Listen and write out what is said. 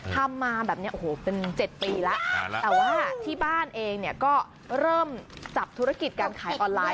ทำมาแบบนี้โอ้โหเป็น๗ปีแล้วแต่ว่าที่บ้านเองเนี่ยก็เริ่มจับธุรกิจการขายออนไลน์